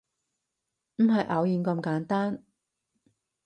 唔係偶然咁簡單